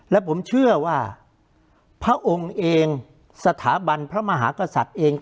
และผมเชื่อว่าพระองค์เองสถาบันพระมหากษัตริย์เอง